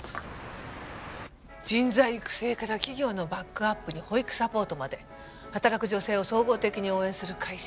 「人材育成から企業のバックアップに保育サポートまで働く女性を総合的に応援する会社」